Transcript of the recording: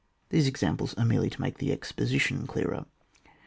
These examples are merely to make the exposition clearer.